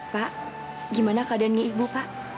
pak gimana keadaannya ibu pak